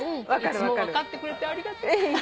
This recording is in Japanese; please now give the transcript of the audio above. いつも分かってくれてありがとう。